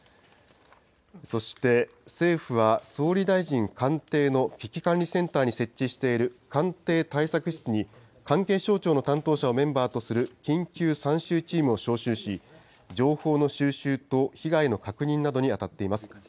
そして、政府は総理大臣官邸の危機管理センターに設置している官邸対策室に、関係省庁の担当者をメンバーとする緊急参集チームを招集し、情報の収集と被害の確認などに当たっています。